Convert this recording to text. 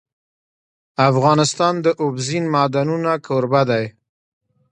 افغانستان د اوبزین معدنونه کوربه دی.